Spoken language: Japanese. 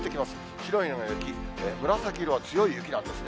白いのが雪、紫色は強い雪なんですね。